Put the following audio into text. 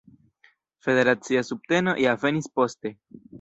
Federacia subteno ja venis poste.